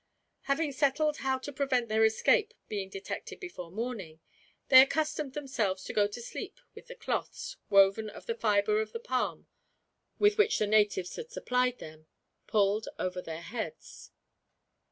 Having settled how to prevent their escape being detected before morning, they accustomed themselves to go to sleep with the cloths, woven of the fiber of the palm with which the natives had supplied them, pulled over their heads.